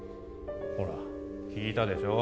ほら聞いたでしょう